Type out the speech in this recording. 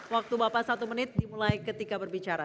waktu bapak satu menit dimulai ketika berbicara